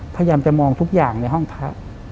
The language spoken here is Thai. พยายามจะมองทุกอย่างในห้องพระ